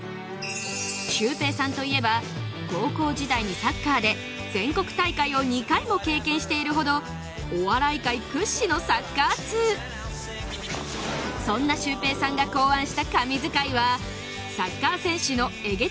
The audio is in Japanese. シュウペイさんといえば高校時代にサッカーで全国大会を２回も経験しているほどそんなシュウペイさんが考案した神図解は